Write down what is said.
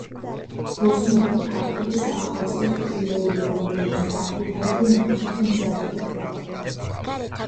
გოზინაყი ქართული საახალწლო ტკბილეულია, რომელიც თაფლითა და ნიგვზით მზადდება